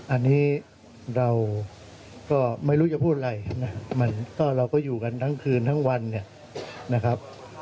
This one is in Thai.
อันนี้เราก็ไม่รู้จะพูดอะไรนะมันก็เราก็อยู่กันทั้งคืนทั้งวันเนี่ยนะครับ